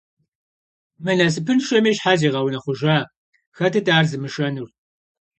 Мы насыпыншэми щхьэ зигъэунэхъужа? Хэтыт ар зымышэнур?